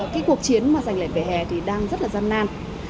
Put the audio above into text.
cái cuộc chiến mà dành lệnh vỉa hè thì đang rất là gian nan